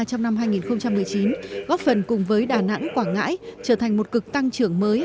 trong năm hai nghìn một mươi chín góp phần cùng với đà nẵng quảng ngãi trở thành một cực tăng trưởng mới